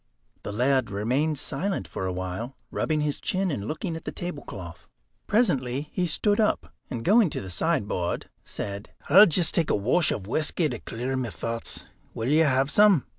The laird remained silent for a while, rubbing his chin, and looking at the tablecloth. Presently he stood up, and going to the sideboard, said: "I'll just take a wash of whisky to clear my thoughts. Will you have some?"